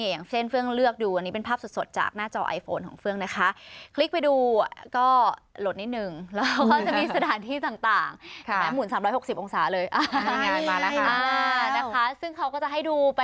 อย่างเช่นเฟื้องเลือกดู